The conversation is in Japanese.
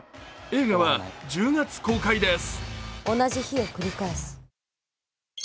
映画は１０月公開です。